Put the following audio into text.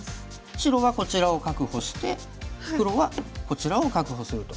白はこちらを確保して黒はこちらを確保すると。